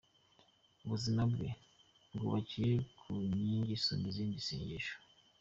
Ubuzima bwe bwubakiye ku ngingi isumba izindi “Isengesho”.